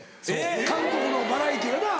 韓国のバラエティーがなぁ。